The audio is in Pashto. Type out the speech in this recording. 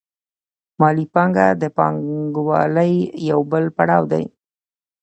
مالي پانګه د پانګوالۍ یو بل پړاو دی